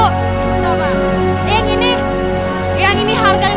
kita jangan trip